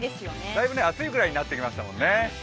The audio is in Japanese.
だいぶね、暑いくらいになってきましたもんね。